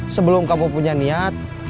sebelum kamu punya niat